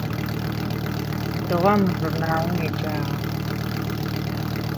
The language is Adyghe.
Сыдигъо мы журналым уеджагъа?